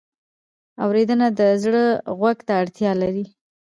اورېدنه د زړه غوږ ته اړتیا لري.